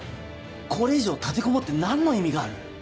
これ以上立てこもって何の意味がある？